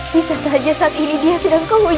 bisa saja saat ini dia sedang kehujanan raka